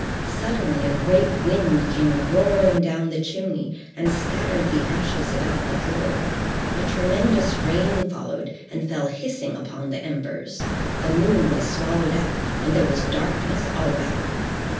Suddenly, a great wind came roaring down the chimney, and scattered the ashes about the floor; a tremendous rain followed, and fell hissing on the embers; the moon was swallowed up, and there was darkness all about her.